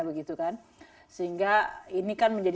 memiliki talian dengan oliver board